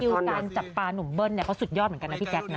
การจับปลานุ่มเบิ้ลเขาสุดยอดเหมือนกันนะพี่แจ๊คนะ